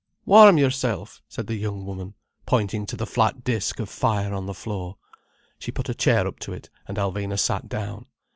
"Warm yourself," said the young woman, pointing to the flat disc of fire on the floor. She put a chair up to it, and Alvina sat down.